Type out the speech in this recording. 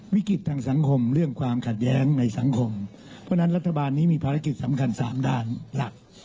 วิกฤตทางสังคมเรื่องความขัดแย้งในสังคมเพราะฉะนั้นรัฐบาลนี้มีภารกิจสำคัญ๓ด้านหลัก